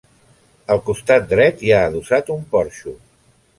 Al costat dret hi ha adossat un porxo.